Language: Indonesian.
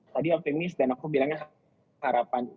tadi optimis dan aku bilangnya harapan